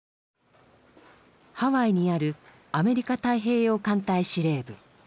ハワイにあるアメリカ太平洋艦隊司令部。